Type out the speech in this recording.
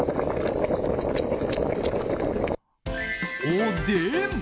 おでん。